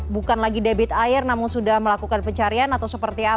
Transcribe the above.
bukan lagi debit air namun sudah melakukan pencarian atau seperti apa